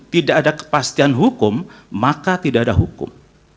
tidak ada kepastian hukum maka tidak ada hukum